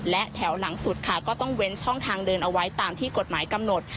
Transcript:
และแถวหลังสุดค่ะก็ต้องเว้นช่องทางเดินเอาไว้ตามที่กฎหมายกำหนด